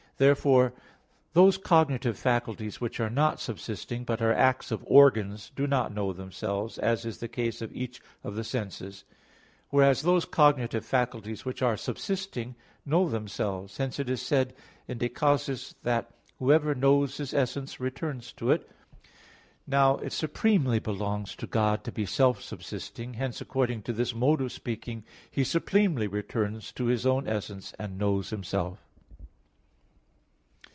Therefore those cognitive faculties which are not subsisting, but are the acts of organs, do not know themselves, as in the case of each of the senses; whereas those cognitive faculties which are subsisting, know themselves; hence it is said in De Causis that, "whoever knows his essence returns to it." Now it supremely belongs to God to be self subsisting. Hence according to this mode of speaking, He supremely returns to His own essence, and knows Himself.